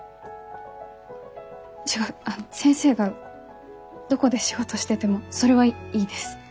あの先生がどこで仕事しててもそれはいいです。